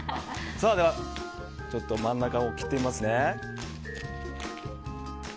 では、真ん中を切ってみますね。